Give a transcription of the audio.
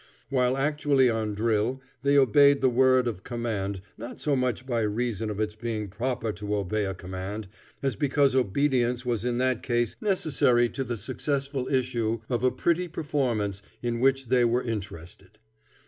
While actually on drill they obeyed the word of command, not so much by reason of its being proper to obey a command, as because obedience was in that case necessary to the successful issue of a pretty performance in which they were interested.